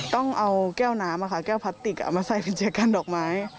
ต้องเอาแก้วน้ำอ่ะค่ะแก้วพลาติกอ่ะมาใส่เป็นแจกกันดอกไม้